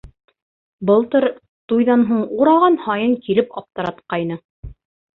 Былтыр туйҙан һуң ураған һайын килеп аптыратҡайны.